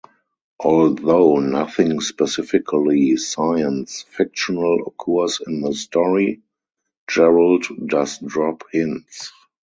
Although nothing specifically science fictional occurs in the story, Gerrold does drop hints.